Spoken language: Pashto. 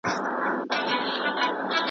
ډلي ډلي له هوا څخه راتللې .